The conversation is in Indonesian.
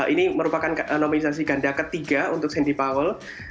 ini merupakan nominasi ganda ketiga untuk sandy powell